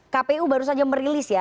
kpu baru saja mulai